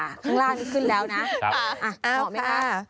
ข้างล่างนี้ขึ้นแล้วนะเหมาะไหมค่ะอ่าค่ะ